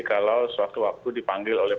kalau sewaktu waktu dipanggil oleh